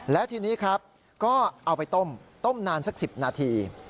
และทีนี้ครับก็เอาไปต้มต้มนานสัก๑๐นาที